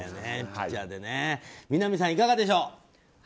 南さん、いかがでしょう？